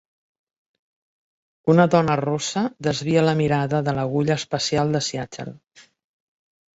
Una dona rossa desvia la mirada de l'agulla espacial de Seattle.